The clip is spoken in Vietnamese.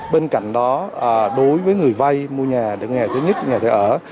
bên cạnh đó đối với người vai mua nhà người nhà thứ nhất người nhà thị ở